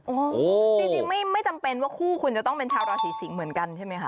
โอ้โหจริงไม่จำเป็นว่าคู่คุณจะต้องเป็นชาวราศีสิงศ์เหมือนกันใช่ไหมคะ